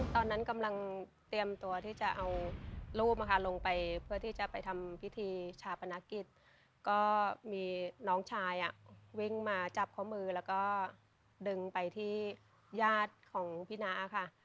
ตอนนั้นกำลังเตรียมตัวที่จะเอารูปนะคะลงไปเพื่อที่จะไปทำพิธีชาปนกิจก็มีน้องชายวิ่งมาจับข้อมือแล้วก็ดึงไปที่ญาติของพี่น้าค่ะ